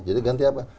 jadi ganti apa